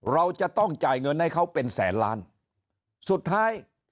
เราจะต้องจ่ายเงินให้เขาเป็นแสนล้านสุดท้าย